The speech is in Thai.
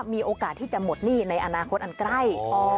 มีโอกาสที่จะหมดหนี้ในอนาคตอันใกล้